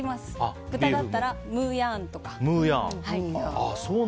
豚だったらムーヤーンとか。